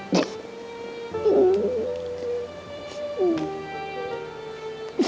ตอนที่ลุงวั่นคำออกไปว่า